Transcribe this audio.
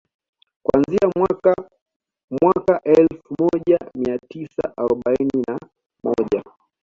kuanzia mwaka mwaka elfu moja mia tisa arobaini na moja